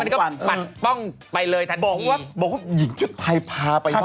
ก็ปัดป้องไปเลยทันทีบอกว่าหญิงชุดไทยพาไปบ้าน